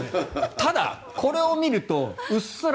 ただこれを見るとうっすら。